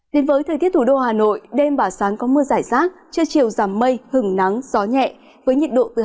đến với thời tiết thủ đô hà nội đêm và sáng có mưa rải rác trưa chiều giảm mây hừng nắng gió nhẹ với nhiệt độ từ hai mươi bốn ba mươi bốn độ